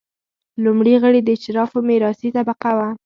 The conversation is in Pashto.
لومړي غړي د اشرافو میراثي طبقه وه.